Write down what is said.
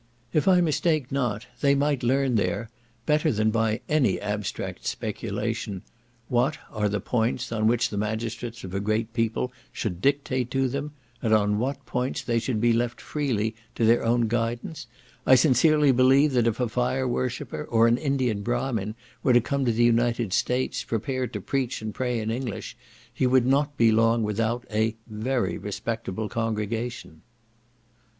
If I mistake not, they might learn there, better than by any abstract speculation, what are the points on which the magistrates of a great people should dictate to them and on what points they should be left freely to their own guidance, I sincerely believe, that if a fire worshipper, or an Indian Brahmin, were to come to the United States, prepared to preach and pray in English, he would not be long without a "very respectable congregation."